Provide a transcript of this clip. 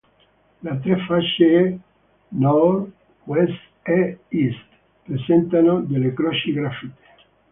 Le tre facce a N, W e E presentano delle croci graffite.